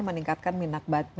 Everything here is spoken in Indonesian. meningkatkan minat baca di